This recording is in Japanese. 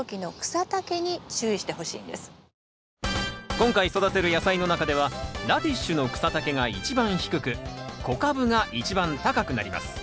今回育てる野菜の中ではラディッシュの草丈が一番低く小カブが一番高くなります。